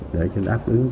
để áp ứng